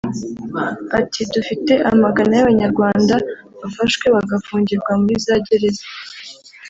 Ati “Dufite amagana y’Abanyarwanda bafashwe bagafungirwa muri za gereza